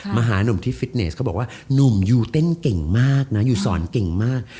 มาหานุ่มที่ฟิตเนสก็บอกว่าหนุ่มยูเต้นเก่งมากนะยูสอนเก่งมาก